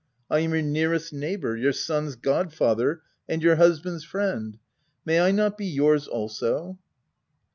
" I am your nearest neighbour, your son's god father, and your husband's friend : may I not be your's also